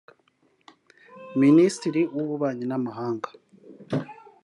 Minisitiri w’Ububanyi n’Amahanga